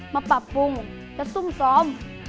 มาปรับปรุงจะซุ่มซ้อม